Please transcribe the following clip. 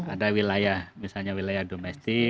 ada wilayah misalnya wilayah domestik